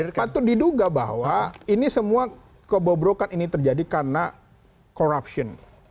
patut diduga bahwa ini semua kebobrokan ini terjadi karena corruption